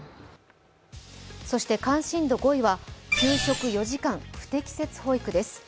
そして関心度５位は給食４時間不適切保育です。